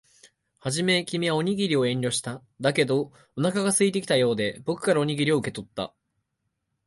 はじめ、君はおにぎりを遠慮した。だけど、お腹が空いていたようで、僕からおにぎりを受け取った。